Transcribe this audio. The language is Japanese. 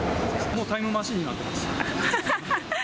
もうタイムマシンになってます。